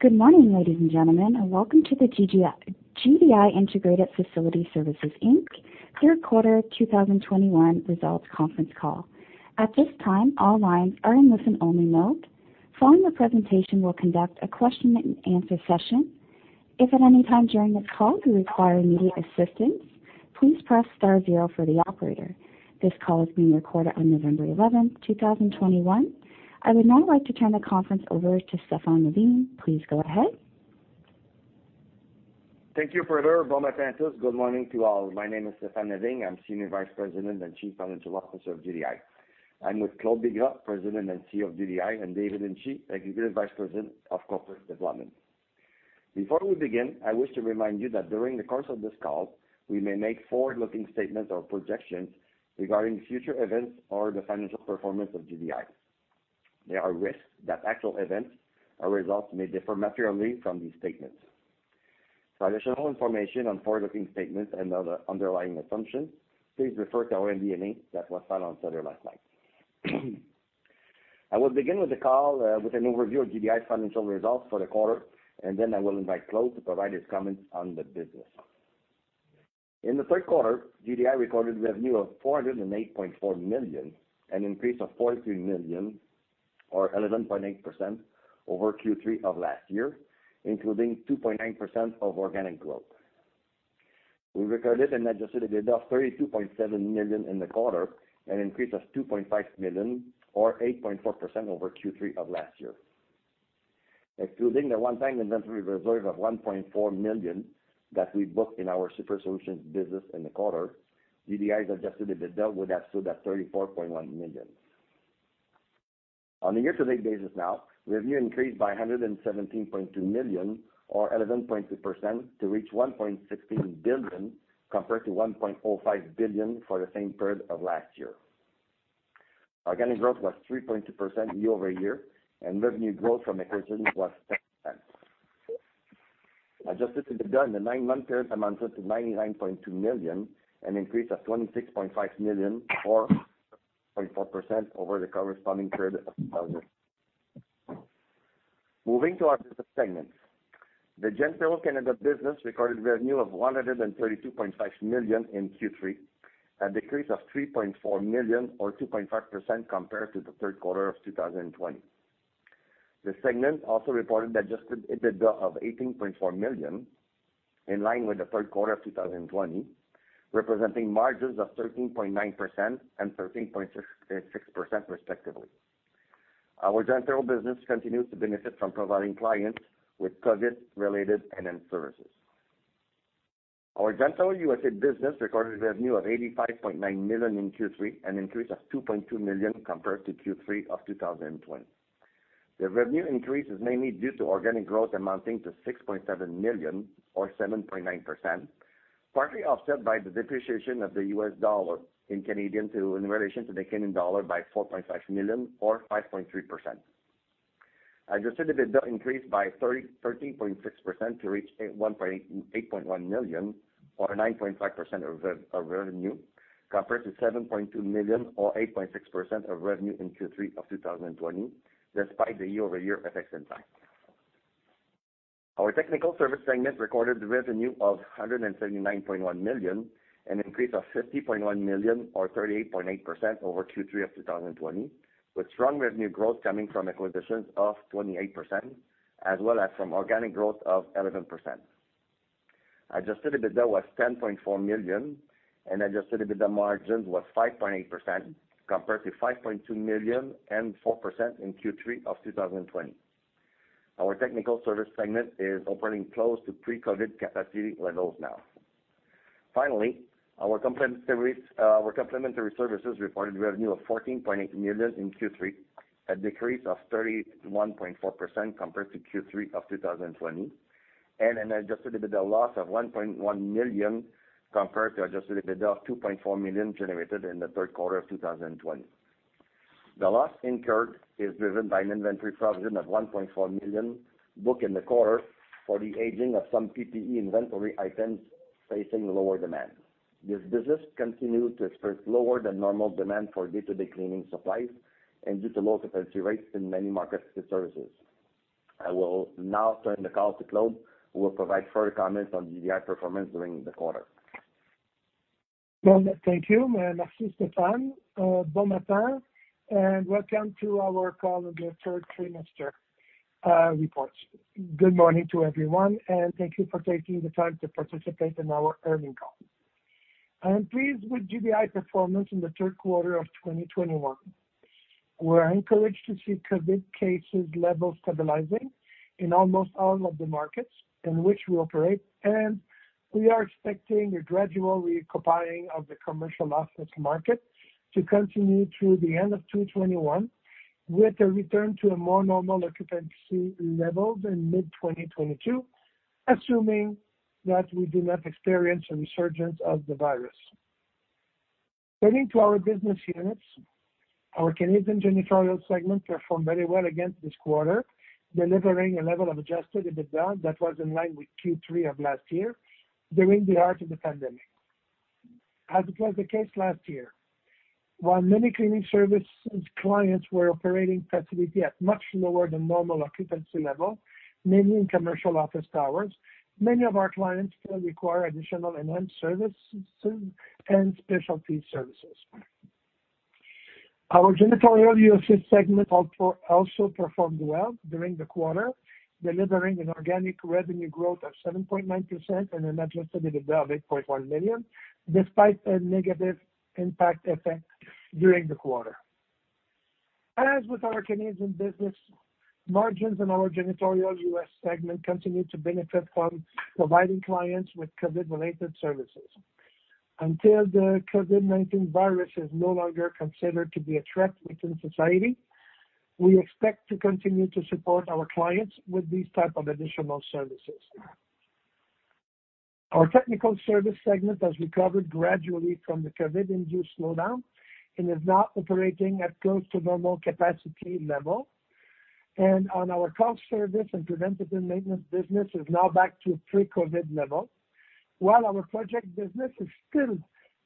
Good morning, ladies and gentlemen, and welcome to the GDI Integrated Facility Services Inc. Q3 2021 Results Conference Call. At this time, all lines are in listen-only mode. Following the presentation, we'll conduct a question and answer session. If at any time during this call you require any assistance, please press star zero for the operator. This call is being recorded on 11 November 2021. I would now like to turn the conference over to Stéphane Lavigne. Please go ahead. Thank you, operator. Mm-hmm. Good morning to all. My name is Stéphane Lavigne, I'm Senior Vice President and Chief Financial Officer of GDI. I'm with Claude Bigras, President and CEO of GDI, and David Hinchey, Executive Vice President of Corporate Development. Before we begin, I wish to remind you that during the course of this call, we may make forward-looking statements or projections regarding future events or the financial performance of GDI. There are risks that actual events or results may differ materially from these statements. For additional information on forward-looking statements and other underlying assumptions, please refer to our MD&A that was filed on SEDAR last night. I will begin with the call with an overview of GDI's financial results for the quarter, and then I will invite Claude to provide his comments on the business. In the third quarter, GDI recorded revenue of 408.4 million, an increase of 43 million or 11.8% over Q3 of last year, including 2.9% of organic growth. We recorded an adjusted EBITDA of 32.7 million in the quarter, an increase of 2.5 million or 8.4% over Q3 of last year. Excluding the one-time inventory reserve of 1.4 million that we booked in our Superior Solutions business in the quarter, GDI's adjusted EBITDA would have stood at 34.1 million. On a year-to-date basis now, revenue increased by 117.2 million or 11.2% to reach 1.16 billion, compared to 1.05 billion for the same period of last year. Organic growth was 3.2% year-over-year, and revenue growth from acquisitions was 10%. Adjusted EBITDA in the nine-month period amounted to 99.2 million, an increase of 26.5 million or 0.4% over the corresponding period of 2020. Moving to our business segments. The Janitorial Canada business recorded revenue of 132.5 million in Q3, a decrease of 3.4 million or 2.5% compared to the Q3 of 2020. The segment also reported adjusted EBITDA of 18.4 million, in line with the Q3 of 2020, representing margins of 13.9% and 13.66% respectively. Our Janitorial business continues to benefit from providing clients with COVID-related and end services. Our Janitorial U.S.A. business recorded revenue of 85.9 million in Q3, an increase of 2.2 million compared to Q3 of 2020. The revenue increase is mainly due to organic growth amounting to 6.7 million or 7.9%, partly offset by the depreciation of the U.S. dollar in relation to the Canadian dollar by 4.5 million or 5.3%. Adjusted EBITDA increased by 13.6% to reach 8.1 million or 9.5% of revenue, compared to 7.2 million or 8.6% of revenue in Q3 of 2020, despite the year-over-year effects and time. Our technical service segment recorded revenue of 179.1 million, an increase of 50.1 million or 38.8% over Q3 of 2020, with strong revenue growth coming from acquisitions of 28% as well as from organic growth of 11%. Adjusted EBITDA was 10.4 million, and adjusted EBITDA margins was 5.8% compared to 5.2 million and 4% in Q3 of 2020. Our technical service segment is operating close to pre-COVID capacity levels now. Finally, our complementary services reported revenue of 14.8 million in Q3, a decrease of 31.4% compared to Q3 of 2020, and an adjusted EBITDA loss of 1.1 million compared to adjusted EBITDA of 2.4 million generated in the Q3 of 2020. The loss incurred is driven by an inventory provision of 1.4 million booked in the quarter for the aging of some PPE inventory items facing lower demand. This business continued to experience lower than normal demand for day-to-day cleaning supplies and due to low occupancy rates in many markets and services. I will now turn the call to Claude who will provide further comments on GDI performance during the quarter. Well, thank you. Mm-hmm. Merci, Stéphane. Bon matin, and welcome to our call on theQ3 reports. Good morning to everyone, and thank you for taking the time to participate in our earnings call. I am pleased with GDI performance in the Q3 of 2021. We're encouraged to see COVID cases level stabilizing in almost all of the markets in which we operate, and we are expecting a gradual reopening of the commercial office market to continue through the end of 2021, with a return to a more normal occupancy levels in mid-2022, assuming that we do not experience a resurgence of the virus. Turning to our business units, our Canadian Janitorial segment performed very well in this quarter, delivering a level of adjusted EBITDA that was in line with Q3 of last year during the heart of the pandemic. As was the case last year, while many cleaning services clients were operating facilities at much lower than normal occupancy level, mainly in commercial office towers, many of our clients still require additional enhanced services and specialty services. Our Janitorial U.S. segment also performed well during the quarter, delivering an organic revenue growth of 7.9% and a net loss of 8.1 million, despite a negative FX effect during the quarter. As with our Canadian business, margins in our Janitorial U.S. segment continued to benefit from providing clients with COVID-related services. Until the COVID-19 virus is no longer considered to be a threat within society, we expect to continue to support our clients with these type of additional services. Our Technical Service segment has recovered gradually from the COVID-induced slowdown and is now operating at close to normal capacity level. Our janitorial service and preventative maintenance business is now back to pre-COVID level. While our project business is still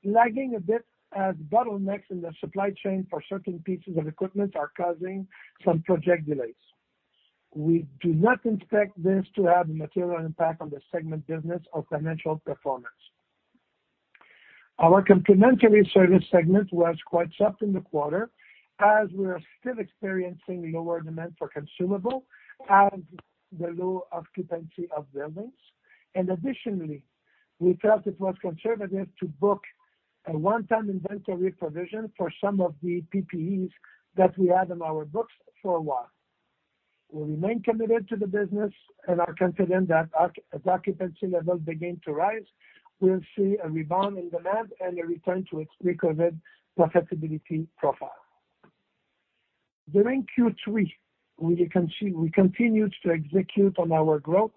lagging a bit as bottlenecks in the supply chain for certain pieces of equipment are causing some project delays. We do not expect this to have a material impact on the segment business or financial performance. Our Complementary Service segment was quite soft in the quarter as we are still experiencing lower demand for consumables and the low occupancy of buildings. Additionally, we felt it was conservative to book a one-time inventory provision for some of the PPEs that we had on our books for a while. We remain committed to the business and are confident that as occupancy levels begin to rise, we'll see a rebound in demand and a return to its pre-COVID profitability profile. During Q3, we continued to execute on our growth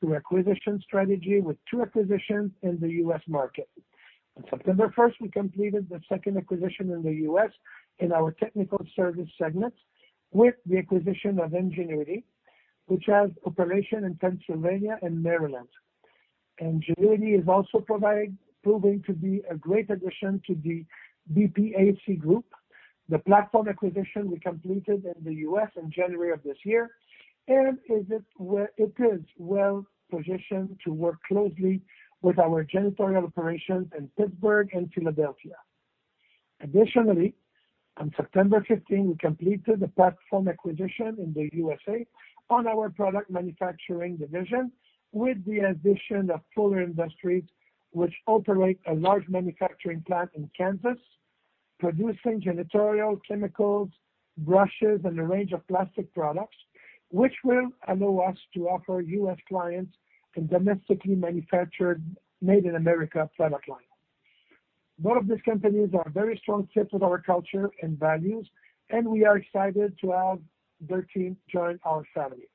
through acquisition strategy with two acquisitions in the U.S. market. On 1 September, we completed the second acquisition in the U.S. in our Technical Service segment with the acquisition of Enginuity, which has operation in Pennsylvania and Maryland. Enginuity is also proving to be a great addition to the BPAC Group, the platform acquisition we completed in the U.S. in January of this year, and it is well-positioned to work closely with our janitorial operations in Pittsburgh and Philadelphia. Additionally, on 15 September, we completed the platform acquisition in the U.S.A. on our product manufacturing division with the addition of Fuller Industries, which operate a large manufacturing plant in Kansas, producing janitorial chemicals, brushes, and a range of plastic products, which will allow us to offer U.S. clients a domestically manufactured made in America product line. Both of these companies are very strong fit with our culture and values, and we are excited to have their team join our family.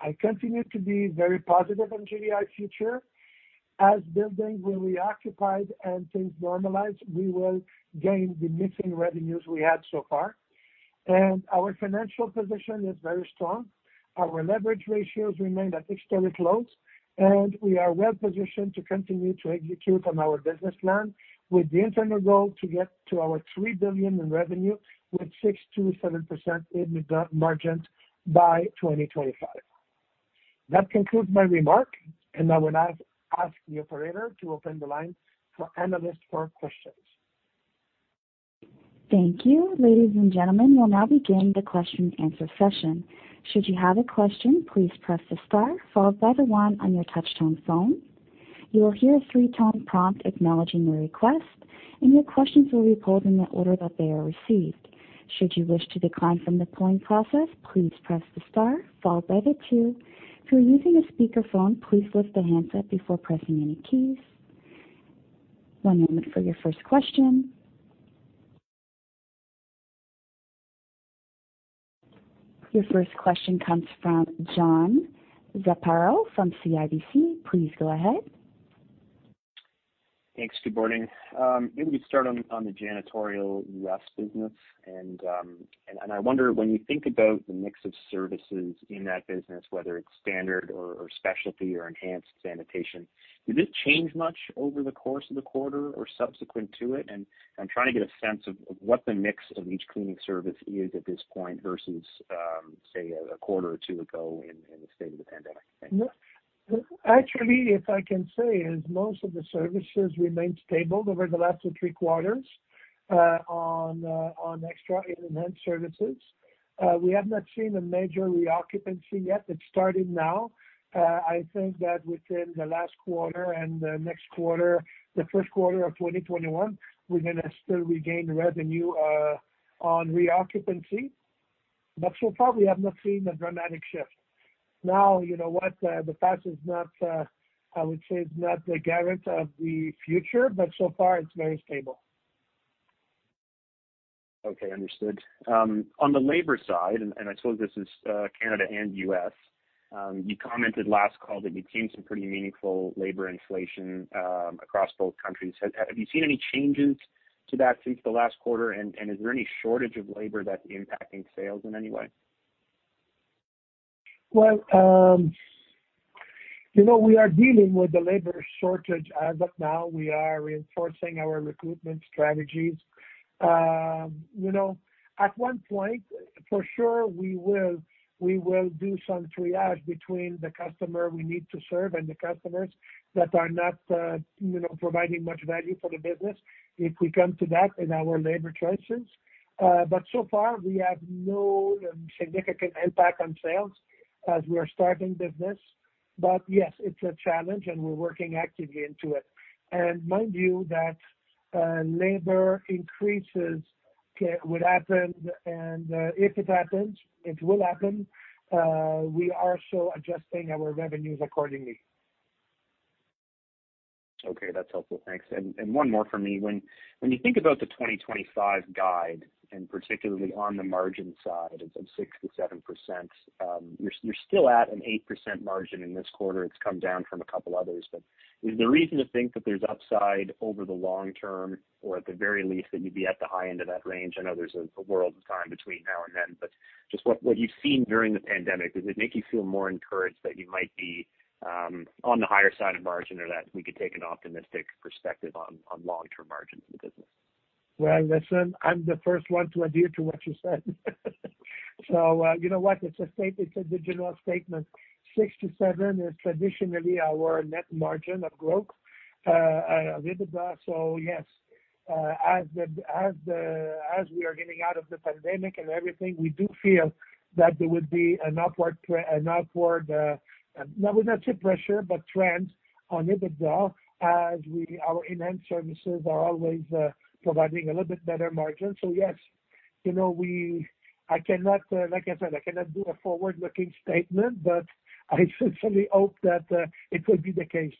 I continue to be very positive on GDI future. As buildings will reoccupy and things normalize, we will gain the missing revenues we had so far. Our financial position is very strong. Our leverage ratios remain at historic lows, and we are well positioned to continue to execute on our business plan with the internal goal to get to 3 billion in revenue with 6%-7% in the margin by 2025. That concludes my remark, and I will now ask the operator to open the line for analysts for questions. Thank you. Ladies and gentlemen, we'll now begin the question and answer session. Should you have a question, please press the star followed by the one on your touch-tone phone. You will hear a three-tone prompt acknowledging your request, and your questions will be pulled in the order that they are received. Should you wish to decline from the polling process, please press the star followed by the two. If you're using a speakerphone, please lift the handset before pressing any keys. One moment for your first question. Your first question comes from John Zamparo from CIBC. Please go ahead. Thanks. Good morning. Maybe start on the Janitorial U.S. business. I wonder when you think about the mix of services in that business, whether it's standard or specialty or enhanced sanitation, did it change much over the course of the quarter or subsequent to it? I'm trying to get a sense of what the mix of each cleaning service is at this point versus, say, a quarter or two ago in the state of the pandemic. Thanks. Actually, if I can say, most of the services remained stable over the last two, three quarters, on extra enhanced services. We have not seen a major reoccupancy yet. It's starting now. I think that within the last quarter and the next quarter, the Q1 of 2021, we're gonna still regain revenue on reoccupancy. So far, we have not seen a dramatic shift. Now, you know what, the past is not, I would say, the guarantor of the future, but so far it's very stable. Okay, understood. On the labor side, and I suppose this is Canada and U.S., you commented last call that you'd seen some pretty meaningful labor inflation across both countries. Have you seen any changes to that since the last quarter? Is there any shortage of labor that's impacting sales in any way? Well, you know, we are dealing with the labor shortage as of now. We are reinforcing our recruitment strategies. You know, at one point, for sure, we will do some triage between the customer we need to serve and the customers that are not, you know, providing much value for the business if we come to that in our labor choices. So far, we have no significant impact on sales as we are starting business. Yes, it's a challenge, and we're working actively into it. Mind you that, labor increases will happen and, if it happens, it will happen, we are still adjusting our revenues accordingly. Okay, that's helpful. Thanks. One more for me. When you think about the 2025 guide, and particularly on the margin side of 6%-7%, you're still at an 8% margin in this quarter. It's come down from a couple others, but is there reason to think that there's upside over the long term, or at the very least, that you'd be at the high end of that range? I know there's a world of time between now and then, but just what you've seen during the pandemic, does it make you feel more encouraged that you might be on the higher side of margin or that we could take an optimistic perspective on long-term margins in the business? Well, listen, I'm the first one to adhere to what you said. You know what? It's a general statement. 6%-7% is traditionally our net margin of growth, EBITDA. Yes, as we are getting out of the pandemic and everything, we do feel that there would be an upward, no, not pressure, but trend on EBITDA as our enhanced services are always providing a little bit better margin. Yes, you know, I cannot, like I said, I cannot do a forward-looking statement, but I sincerely hope that it would be the case.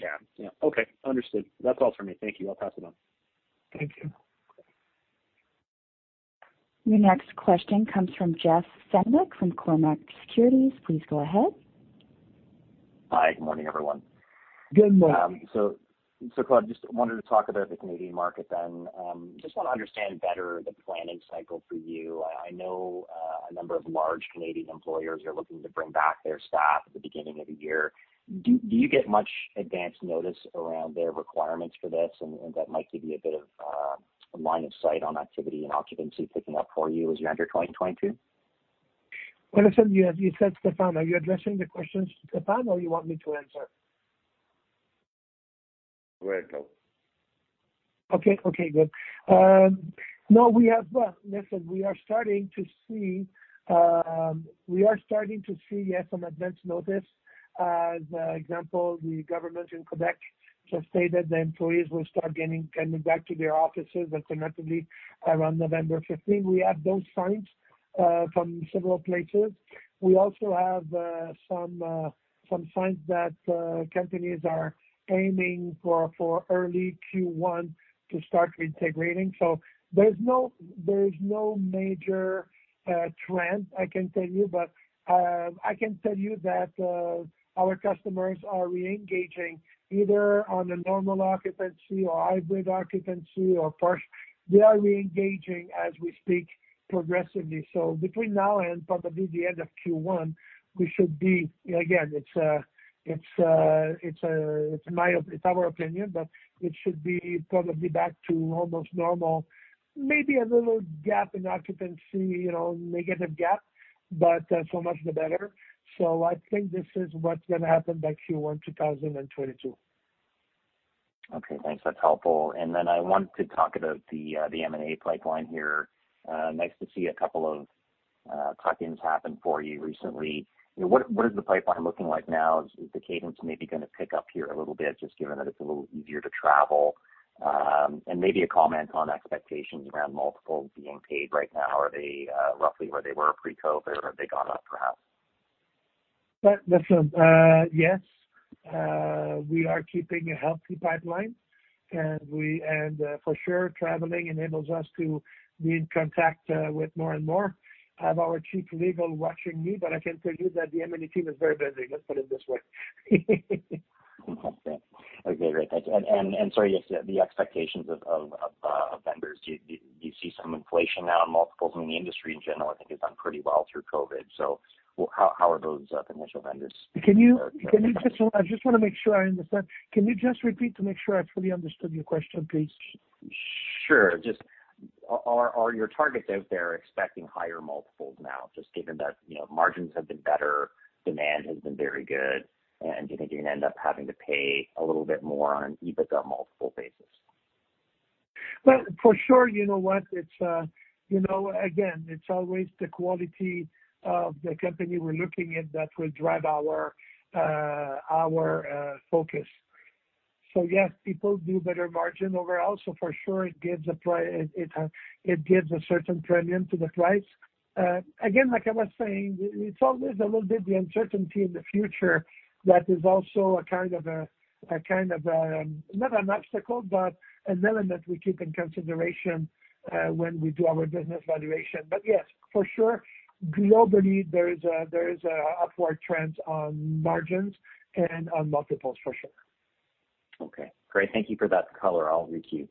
Yeah. Yeah. Okay. Understood. That's all for me. Thank you. I'll pass it on. Thank you. Your next question comes from Jeff Fenwick from Cormark Securities. Please go ahead. Hi. Good morning, everyone. Good morning. Claude, just wanted to talk about the Canadian market then. Just wanna understand better the planning cycle for you. I know a number of large Canadian employers are looking to bring back their staff at the beginning of the year. Do you get much advance notice around their requirements for this and that might give you a bit of a line of sight on activity and occupancy picking up for you as you enter 2022? Well, listen, you said Stéphane. Are you addressing the questions to Stéphane or you want me to answer? Go ahead, Claude. Okay, good. No, we have, listen, we are starting to see yes, some advance notice. For example, the government in Quebec just stated their employees will start coming back to their offices alternately around 15 November 2021. We have those signs from several places. We also have some signs that companies are aiming for early Q1 to start reintegrating. There's no major trend, I can tell you, but I can tell you that our customers are reengaging either on a normal occupancy or hybrid occupancy or part. They are reengaging as we speak progressively. Between now and probably the end of Q1, we should be. Again, it's our opinion, but it should be probably back to almost normal. Maybe a little gap in occupancy, you know, negative gap, but so much the better. I think this is what's gonna happen by Q1 2022. Okay, thanks. That's helpful. I want to talk about the M&A pipeline here. Nice to see a couple of tuck-ins happen for you recently. You know, what is the pipeline looking like now? Is the cadence maybe gonna pick up here a little bit just given that it's a little easier to travel? And maybe a comment on expectations around multiples being paid right now. Are they roughly where they were pre-COVID or have they gone up perhaps? Well, listen, yes, we are keeping a healthy pipeline, and for sure, traveling enables us to be in contact with more and more. I have our Chief Legal watching me, but I can tell you that the M&A team is very busy. Let's put it this way. Okay. Okay, great. Thank you. Yes, the expectations of vendors. Do you see some inflation now on multiples? I mean, the industry in general I think has done pretty well through COVID. How are those potential vendors- I just wanna make sure I understand. Can you just repeat to make sure I fully understood your question, please? Sure. Just are your targets out there expecting higher multiples now, just given that, you know, margins have been better, demand has been very good, and do you think you're gonna end up having to pay a little bit more on an EBITDA multiple basis? Well, for sure, you know what? It's you know, again, it's always the quality of the company we're looking at that will drive our focus. Yes, people do better margin overall, so for sure it gives a certain premium to the price. Again, like I was saying, it's always a little bit the uncertainty in the future that is also a kind of not an obstacle, but an element we keep in consideration when we do our business valuation. Yes, for sure, globally, there is an upward trend on margins and on multiples for sure. Okay. Great. Thank you for that color. I'll requeue.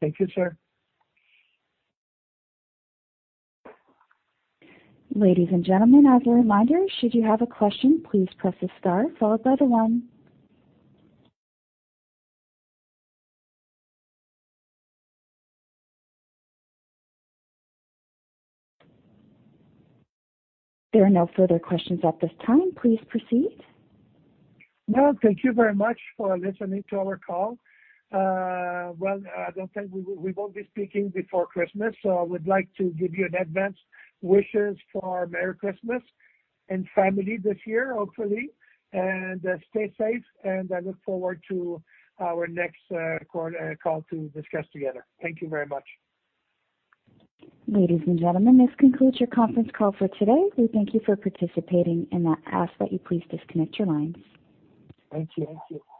Thank you, sir. Ladies and gentlemen, as a reminder, should you have a question, please press the star followed by the one. There are no further questions at this time. Please proceed. No, thank you very much for listening to our call. Well, I don't think we won't be speaking before Christmas, so I would like to give you advance wishes for a merry Christmas and family this year, hopefully, and stay safe, and I look forward to our next call to discuss together. Thank you very much. Ladies and gentlemen, this concludes your conference call for today. We thank you for participating and I ask that you please disconnect your lines. Thank you. Thank you.